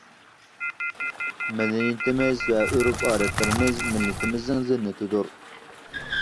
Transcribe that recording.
مەدەنىيىتىمىز ۋە ئۆرپ-ئادەتلىرىمىز مىللىتىمىزنىڭ زىننىتىدۇر.